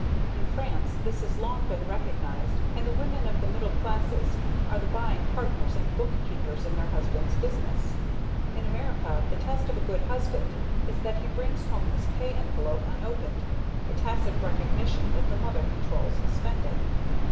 In France this has long been recognized and the women of the middle classes are the buying partners and bookkeepers in their husbands' business. In America the test of a good husband is that he brings home his pay envelope unopened, a tacit recognition that the mother controls spending.